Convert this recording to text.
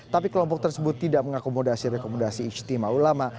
tapi kelompok tersebut tidak mengakomodasi rekomendasi istimewa ulama